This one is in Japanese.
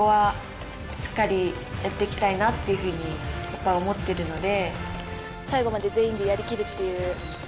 っていうふうに思ってるので。